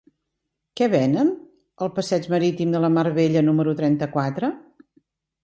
Què venen al passeig Marítim de la Mar Bella número trenta-quatre?